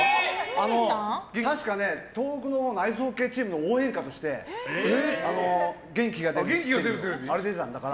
確か東北のアイスホッケーチームの応援歌として「元気が出るテレビ」で。